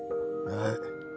はい。